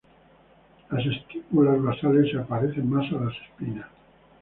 Las estípulas basales se parecen más a las espinas.